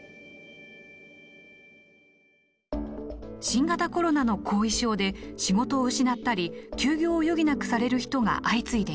新型コロナの後遺症で仕事を失ったり休業を余儀なくされる人が相次いでいます。